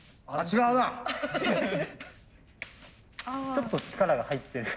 ちょっと力が入ってる。